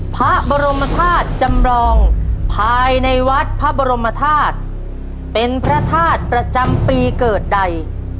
พระบรมธาตุจำรองภายในวัดพระบรมธาตุเป็นพระธาตุประจำปีเกิดใด